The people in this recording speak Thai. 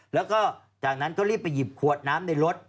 แล้วก็จากนั้นก็รีบไปหยิบขวดน้ำในรถ